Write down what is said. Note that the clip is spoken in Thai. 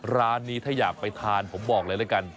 ร้านนี้ถ้าอยากไปทานผมบอกเลยละกัน